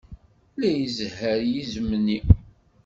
La izehher yizem-nni.